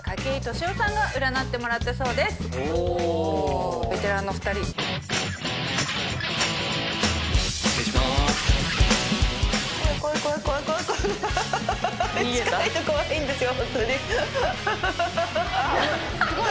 すごい。